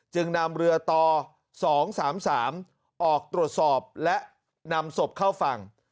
จึงนำเรือต่อ๒๓๓ออกตรวจสอบและนำศพเข้าฝั่ง